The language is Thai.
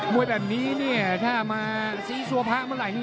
มวยแบบนี้ถ้ามาสีซัวบะเมื่อไหร่